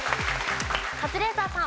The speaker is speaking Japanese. カズレーザーさん。